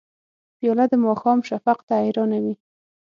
پیاله د ماښام شفق ته حیرانه وي.